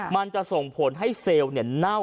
มันจะส่งผลให้เซลล์เน่า